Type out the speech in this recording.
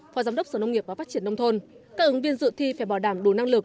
phó giám đốc sở nông nghiệp và phát triển nông thôn các ứng viên dự thi phải bảo đảm đủ năng lực